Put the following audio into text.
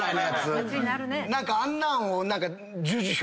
あんなんを。